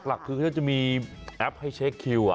หลักคือเขาจะมีแอปให้เช็คคิว